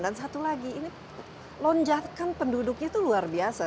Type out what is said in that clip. dan satu lagi ini lonjakan penduduknya itu luar biasa